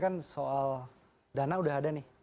kan soal dana udah ada nih